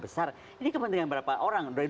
besar ini kepentingan berapa orang dari